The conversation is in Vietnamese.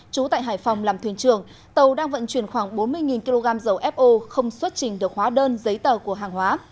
trú tại hải phòng làm thuyền trường tàu đang vận chuyển khoảng bốn mươi kg dầu fo không xuất trình được hóa đơn giấy tờ của hàng hóa